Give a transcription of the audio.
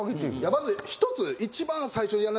まず一つ。